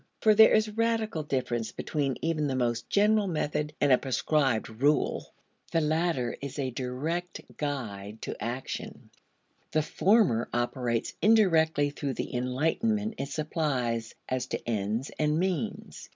For there is radical difference between even the most general method and a prescribed rule. The latter is a direct guide to action; the former operates indirectly through the enlightenment it supplies as to ends and means.